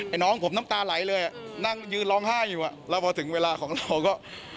น้องผมน้ำตาไหลเลยอ่ะนั่งยืนร้องไห้อยู่แล้วพอถึงเวลาของเราก็